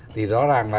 thì rõ ràng là